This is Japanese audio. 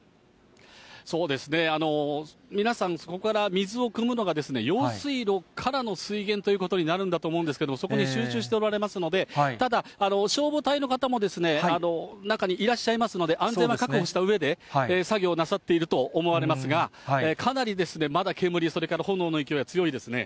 そうですね、皆さん、そこから水をくむのが、用水路からの水源ということになるんだと思うんですけれども、そこに集中しておられますので、ただ、消防隊の方も中にいらっしゃいますので、安全は確保したうえで、作業をなさっていると思われますが、かなりまだ煙、それから炎の勢いは強いですね。